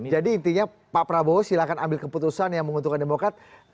jadi intinya pak prabowo silahkan ambil keputusan yang menguntungkan demokrat